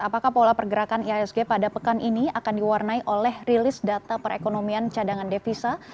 apakah pola pergerakan ihsg pada pekan ini akan diwarnai oleh rilis data perekonomian cadangan devisa